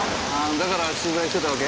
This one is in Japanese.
だから取材してたわけ？